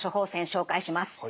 紹介します。